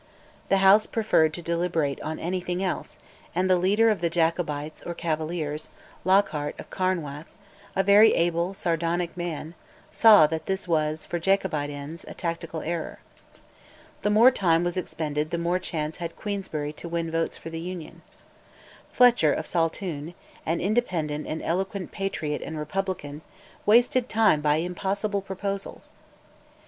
The House preferred to deliberate on anything else, and the leader of the Jacobites or Cavaliers, Lockhart of Carnwath, a very able sardonic man, saw that this was, for Jacobite ends, a tactical error. The more time was expended the more chance had Queensberry to win votes for the Union. Fletcher of Saltoun, an independent and eloquent patriot and republican, wasted time by impossible proposals.